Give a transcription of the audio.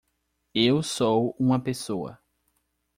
Eu sou uma pessoa